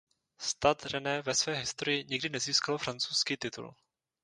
Stade Rennes ve své historii nikdy nezískalo francouzský titul.